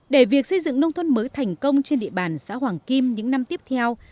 để việc xây dựng nông thôn mới thành công trên địa bàn xã hoàng kim những năm tiếp theo